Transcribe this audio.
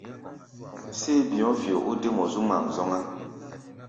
Séé bi̧ɔ̧́-fio o dé mɔ zu ŋmaʼm zɔ́ŋá.